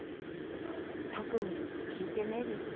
特に聞いてねえです。